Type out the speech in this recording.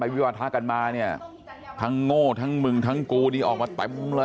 วิวาทะกันมาเนี่ยทั้งโง่ทั้งมึงทั้งกูนี่ออกมาเต็มเลย